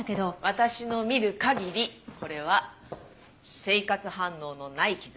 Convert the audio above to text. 私の診る限りこれは生活反応のない傷。